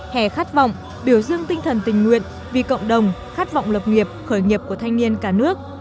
hè khát vọng biểu dương tinh thần tình nguyện vì cộng đồng khát vọng lập nghiệp khởi nghiệp của thanh niên cả nước